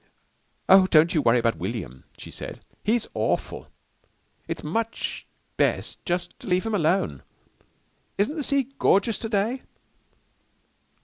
"Oh, don't you worry about William," she said. "He's awful. It's much best just to leave him alone. Isn't the sea gorgeous to day?"